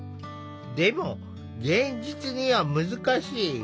でも現実には難しい。